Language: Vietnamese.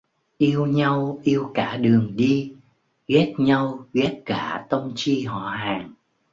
Yêu nhau yêu cả đường đi, ghét nhau ghét cả tông chi họ hàng